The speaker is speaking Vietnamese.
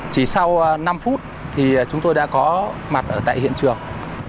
chỉ sau năm phút thì chúng tôi đã có mặt ở tại hiện trường